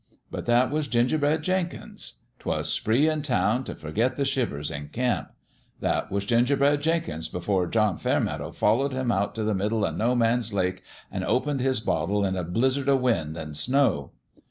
But that was Gingerbread Jenkins. 'Twas spree in town t' forget the shivers in camp. That was Gingerbread Jenkins before John Fairmeadow followed him out t' the middle o' No Man's Lake an' opened his bottle in a blizzard o' wind an' snow.